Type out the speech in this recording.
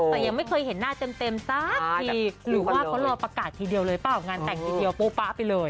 แต่ยังไม่เคยเห็นหน้าเต็มสักทีหรือว่าเขารอประกาศทีเดียวเลยเปล่างานแต่งทีเดียวโป๊ป๊ะไปเลย